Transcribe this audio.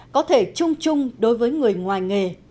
có thể chung chung đối với người ngoài nghề